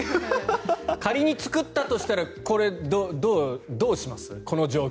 仮に作ったとしたらどうします？